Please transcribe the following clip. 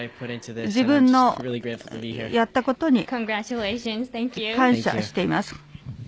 自分のやったことに感謝しています。